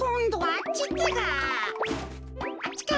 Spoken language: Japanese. あっちか。